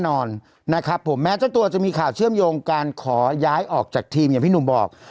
นอนนะครับผมแม้เจ้าตัวจะมีข่าวเชื่อมโยงการขอย้ายออกจากทีมอย่างพี่หนุ่มบอก